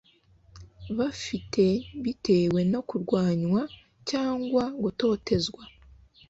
bafite bitewe no kurwanywa cyangwa gutotezwa